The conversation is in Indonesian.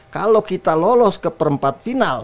kalau kita lolos ke perempat final